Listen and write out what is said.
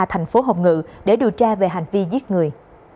thành phố hồng ngự để điều tra về hành vi giết người